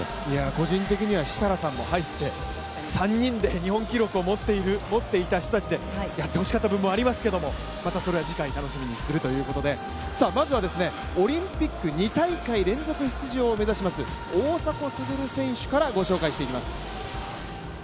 個人的には設楽さんも入って、３人で日本記録を持っていた人たちでやってほしかった部分もありますけど、またそれは次回楽しみにするということでまずは、オリンピック２大会連続出場を目指します大迫傑選手からご紹介していきます。